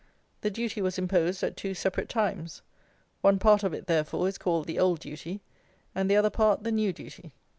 The duty was imposed at two separate times. One part of it, therefore, is called the Old Duty, and the other part the New Duty.